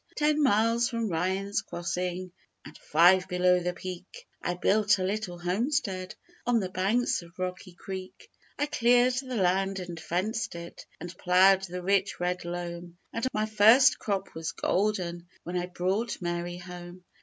Ten miles from Ryan's crossing And five below the peak, I built a little homestead On the banks of Rocky Creek; I cleared the land and fenced it And ploughed the rich red loam, And my first crop was golden When I brought Mary home.